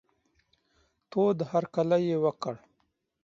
تود هرکلی یې وکړ.